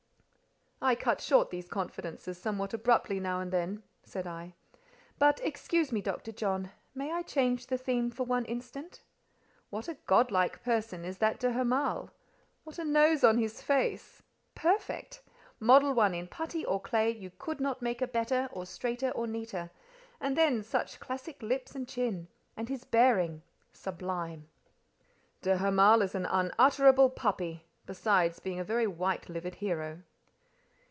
"I cut short these confidences somewhat abruptly now and then," said I. "But excuse me, Dr. John, may I change the theme for one instant? What a god like person is that de Hamal! What a nose on his face—perfect! Model one in putty or clay, you could not make a better or straighter, or neater; and then, such classic lips and chin—and his bearing—sublime." "De Hamal is an unutterable puppy, besides being a very white livered hero."